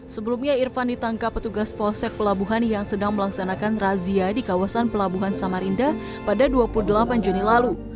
sebelumnya irfan ditangkap petugas polsek pelabuhan yang sedang melaksanakan razia di kawasan pelabuhan samarinda pada dua puluh delapan juni lalu